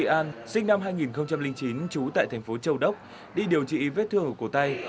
trần duy an sinh năm hai nghìn chín trú tại thành phố châu đốc đi điều trị vết thương ở cổ tay